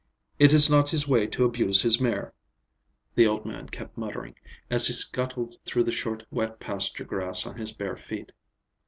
It is not his way to abuse his mare," the old man kept muttering, as he scuttled through the short, wet pasture grass on his bare feet.